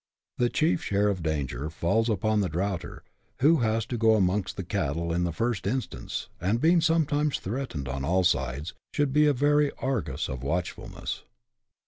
The chief share of the danger falls upon the draughter, who has to go amongst the cattle in the first instance, and being sometimes threatened on all sides, should be a very Argus of watchfulness.